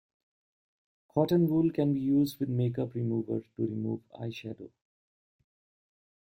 Cotton wool can be used with make-up remover to remove eyeshadow